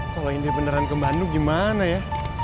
kalau indi beneran ke bandung gimana ya